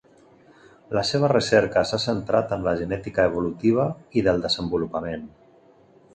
La seva recerca s'ha centrat en la genètica evolutiva i del desenvolupament.